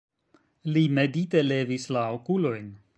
Li medite levis la okulojn.